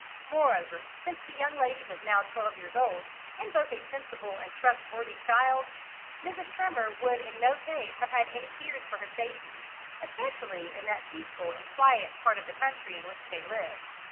Moreover, since the young lady was now twelve years old, and both a sensible and trustworthy child, Mrs. Trimmer would in no case have had any fears for her safety, especially in that peaceful and quiet part of the country in which they lived.